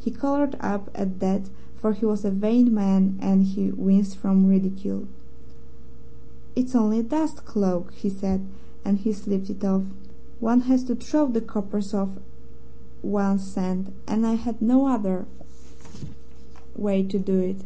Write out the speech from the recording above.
He coloured up at that, for he was a vain man, and he winced from ridicule. "'It's only a dust cloak,' said he, and he slipped it off. 'One has to throw the coppers off one's scent, and I had no other way to do it.'